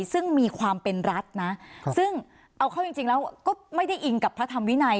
ซึ่งมีความเป็นรัฐนะซึ่งเอาเข้าจริงแล้วก็ไม่ได้อิงกับพระธรรมวินัย